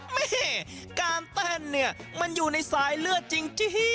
แม่การเต้นเนี่ยมันอยู่ในสายเลือดจริง